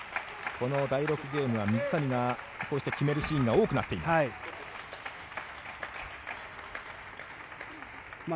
この第６ゲームは水谷がこうして決めるシーンが多くなっています。